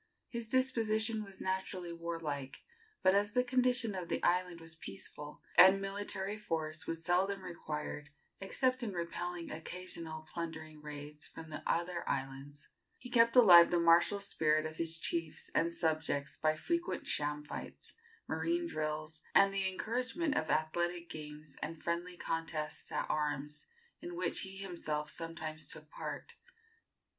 His disposition was naturally warlike, but as the condition of the island was peaceful, and military force was seldom required except in repelling occasional plundering raids from the other islands, he kept alive the martial spirit of his chiefs and subjects by frequent sham fights, marine drills, and the encouragement of athletic games and friendly contests at arms, in which he himself sometimes took part.